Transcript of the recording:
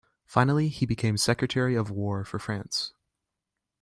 Finally he became Secretary of War for France.